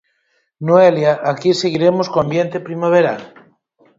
Noelia, aquí seguiremos co ambiente primaveral?